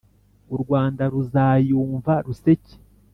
u rwanda ruzayumva ruseke.